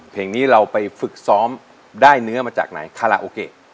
เพลงนี้เราไปฝึกซ้อมได้เนื้อมาจากไหนคาราโอเกะ